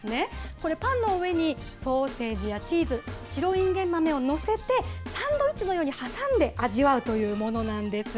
これ、パンの上にソーセージやチーズ、白いんげん豆を載せて、サンドイッチのように挟んで味わうというものなんです。